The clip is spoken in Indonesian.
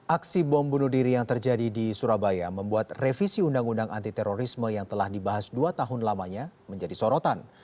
aksi bom bunuh diri yang terjadi di surabaya membuat revisi undang undang anti terorisme yang telah dibahas dua tahun lamanya menjadi sorotan